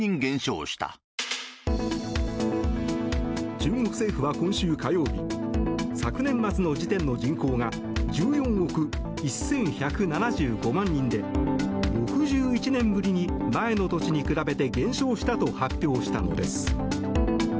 中国政府は今週火曜日昨年末の時点の人口が１４億１１７５万人で６１年ぶりに前の年に比べて減少したと発表したのです。